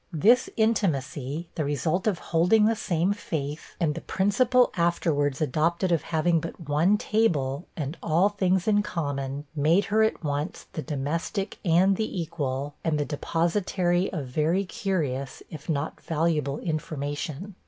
This intimacy, the result of holding the same faith, and the principle afterwards adopted of having but one table, and all things in common, made her at once the domestic and the equal, and the depositary of very curious, if not valuable information.